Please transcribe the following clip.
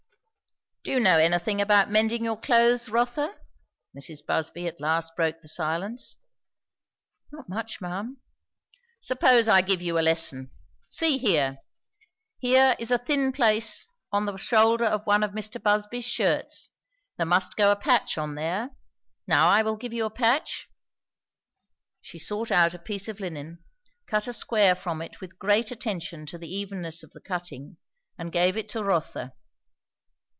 "Do you know anything about mending your clothes, Rotha?" Mrs. Busby at last broke the silence. "Not much, ma'am." "Suppose I give you a lesson. See here here is a thin place on the shoulder of one of Mr. Busby's shirts; there must go a patch on there. Now I will give you a patch " She sought out a piece of linen, cut a square from it with great attention to the evenness of the cutting, and gave it to Rotha.